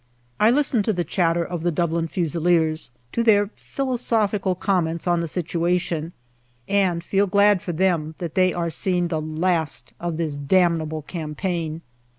I listen to the chatter of the Dublin Fusiliers, to their philosophical comments on the situation, and feel glad for them that they are seeing the last of this damnable cam paign.